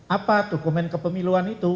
apa dokumen kepemiluan itu